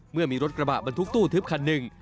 เมื่อมีรถกระบะบรรทุกตู้ทึบคันหนึ่ง